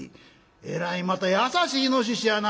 「えらいまた優しいイノシシやな」。